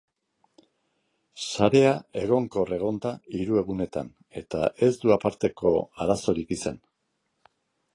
Sarea egonkor egon da hiru egunetan, eta ez du aparteko arazorik izan.